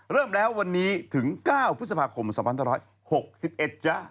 เริ่มแล้ววันนี้ถึง๙พฤษภาคม๒๑๖๑จ๊ะ